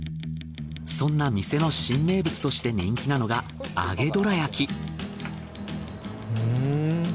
そんな店の新名物として人気なのが揚げどら焼き。